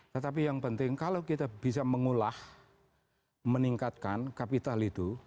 tetapi yang penting kalau kita bisa mengolah meningkatkan kapital itu